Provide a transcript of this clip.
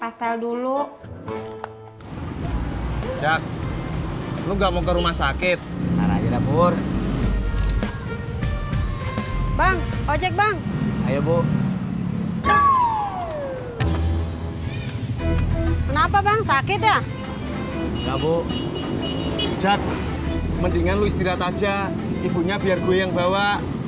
sampai jumpa di video selanjutnya